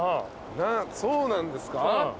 そうなんですか？